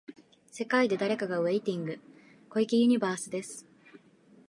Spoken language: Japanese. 世界で誰かがウェイティング、小池ユニバースです。